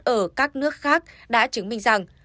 ở các nước khác đã chứng minh rằng